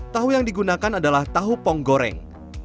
tahu yang digunakan adalah tahu pong goreng